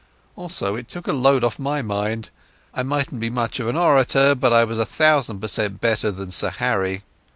Also it took a load off my mind. I mightn't be much of an orator, but I was a thousand per cent better than Sir Harry.